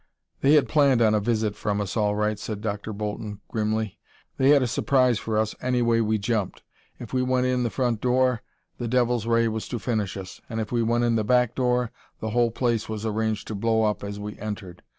"They had planned on a visit from us all right," said Dr. Bolton grimly. "They had a surprise for us any way we jumped. If we went in the front door, that devil's ray was to finish us, and if we went in the back door the whole place was arranged to blow up as we entered.